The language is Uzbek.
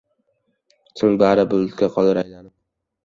So‘ng bari bulutga qolar aylanib.